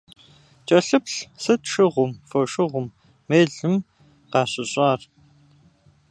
КӀэлъыплъ, сыт шыгъум, фошыгъум, мелым къащыщӀар?